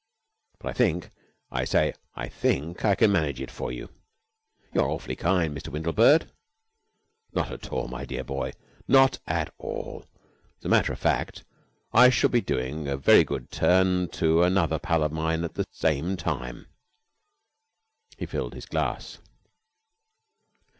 But I think I say I think I can manage it for you." "You're awfully kind, Mr. Windlebird." "Not at all, my dear boy, not at all. As a matter of fact, I shall be doing a very good turn to another pal of mine at the same time." He filled his glass.